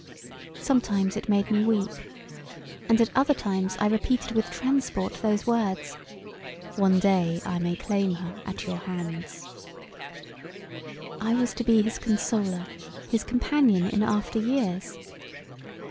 Sometimes it made me weep; and at other [times] I repeated with transport those words, "One day I may claim her at your hands." I was to be his consoler, his companion in after years.